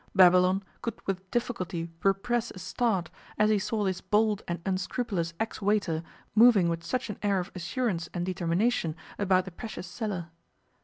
Babylon could with difficulty repress a start as he saw this bold and unscrupulous ex waiter moving with such an air of assurance and determination about the precious cellar.